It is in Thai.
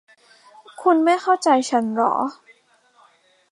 คุณไม่เข้าใจฉันหรอ